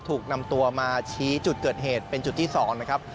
ถูกนำตัวมาชี้จุดเกิดเหตุเป็นจุดที่๒นะครับ